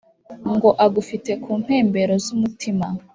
ngo agufite kumpembero zumutima